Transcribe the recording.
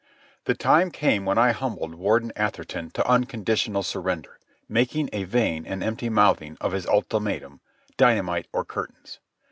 The time came when I humbled Warden Atherton to unconditional surrender, making a vain and empty mouthing of his ultimatum, "Dynamite or curtains."